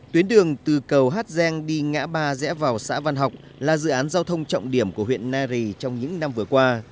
tuyến đường từ cầu hát giang đi ngã ba rẽ vào xã văn học là dự án giao thông trọng điểm của huyện nari trong những năm vừa qua